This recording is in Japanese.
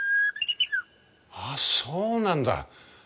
あそうなんだ。